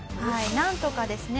なんとかですね